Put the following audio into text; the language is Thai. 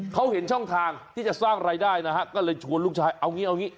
เขาเห็นช่องทางที่จะสร้างรายได้นะฮะก็เลยชวนลูกชายเอางี้เอางี้